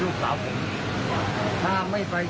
ดูจากเหตุการณ์แล้วนี่